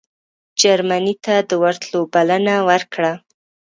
جرمني ته د ورتلو بلنه ورکړه.